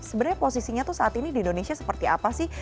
sebenarnya posisinya tuh saat ini di indonesia seperti apa sih